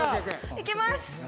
いきます！